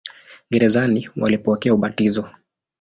Gerezani walipokea ubatizo.